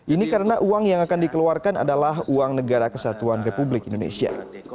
ini karena uang yang akan dikeluarkan adalah uang negara kesatuan republik indonesia